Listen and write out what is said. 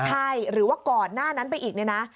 ใช่หรือว่าก่อนหน้านั้นไปอีกเนี่ยนะ